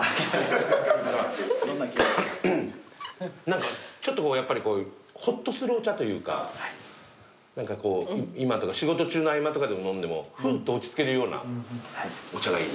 何かちょっとやっぱりこうほっとするお茶というか何かこう仕事中の合間とかでも飲んでもふーっと落ち着けるようなお茶がいいです。